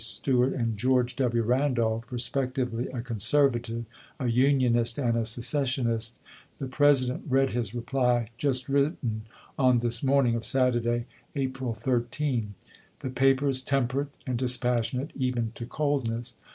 Stuart, and George W. Committee, Randolph, respectively a " conservative," a " Union "Richmond ist," aud a " seccssionist," the President read his AirAM86i. reply just written, on this morning of Saturday, April 13. The paper is temperate and dispas sionate even to coldness.